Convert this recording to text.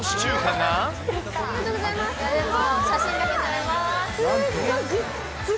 ありがとうございます。